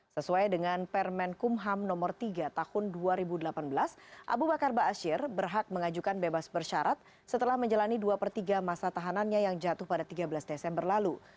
sesuai dengan permen kumham nomor tiga tahun dua ribu delapan belas abu bakar ⁇ baasyir ⁇ berhak mengajukan bebas bersyarat setelah menjalani dua per tiga masa tahanannya yang jatuh pada tiga belas desember lalu